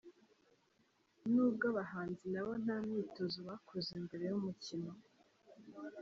Nubwo abahanzi nabo ntamyitozo bakoze mbere yumukino.